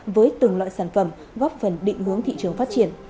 với từng loại sản phẩm góp phần định hướng thị trường phát triển